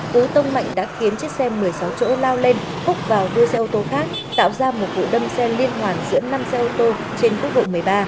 cú tông mạnh đã khiến chiếc xe một mươi sáu chỗ lao lên khúc vào đuôi xe ô tô khác tạo ra một vụ đâm xe liên hoàn giữa năm xe ô tô trên quốc lộ một mươi ba